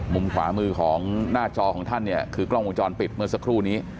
มุมขวามือของหน้าจอของท่านเนี่ยคือกล้องวงจรปิดเมื่อสักครู่นี้